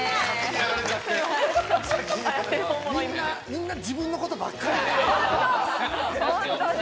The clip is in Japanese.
みんな自分のことばっかり。